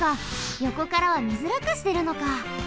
よこからはみづらくしてるのか。